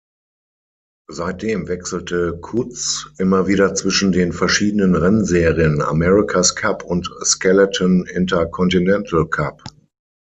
Seitdem wechselte Coutts immer wieder zwischen den verschiedenen Rennserien America's Cup und Skeleton-Intercontinentalcup.